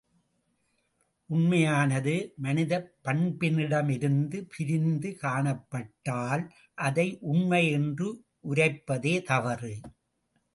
உண்மையானது மனிதப் பண்பினிடமிருந்து பிரிந்து காணப்பட்டால், அதை உண்மை என்று உரைப்பதே தவறு!